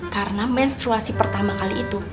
karena menstruasi pertama kali itu